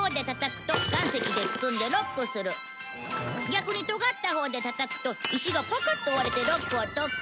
逆にとがったほうでたたくと石がパカッと割れてロックを解く。